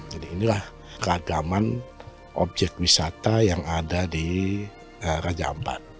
jadi inilah keagaman objek wisata yang ada di raja ampat